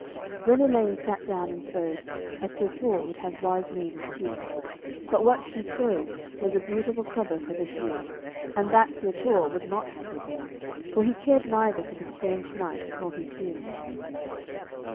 Then Elaine sat down and sewed, as Sir Torre would have wise maidens do. But what she sewed was a beautiful cover for the shield, and that Sir Torre would not have her do, for he cared neither for the strange knight nor his shield.